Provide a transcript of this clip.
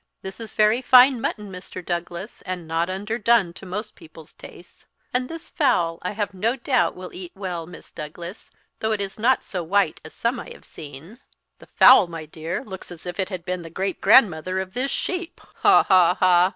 "This is very fine mutton, Mr. Douglas, and not underdone to most people's tastes; and this fowl, I have no doubt will eat well, Miss Douglas, though it is not so white as some I have seen." "The fowl, my dear, looks as if it had been the great grandmother of this sheep, ha, ha, ha!"